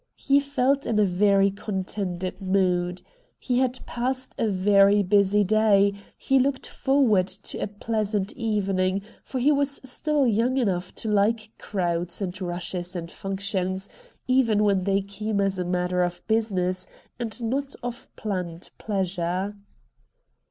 He felt in a very contented mood. He had passed a very busy day, he looked forward to a pleasant evening, for he was still young enough to like crowds and rushes and functions, even when they came as a matter of business, and not of planned pleasure.